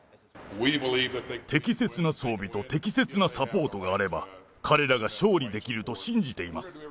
適切な装備と適切なサポートがあれば、彼らが勝利できると信じています。